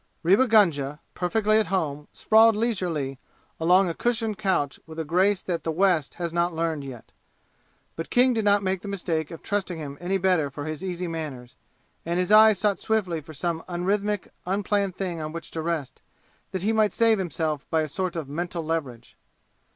Rewa Gunga, perfectly at home, sprawled leisurely, along a cushioned couch with a grace that the West has not learned yet; but King did not make the mistake of trusting him any better for his easy manners, and his eyes sought swiftly for some unrhythmic, unplanned thing on which to rest, that he might save himself by a sort of mental leverage.